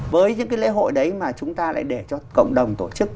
với những cái lễ hội đấy mà chúng ta lại để cho cộng đồng tổ chức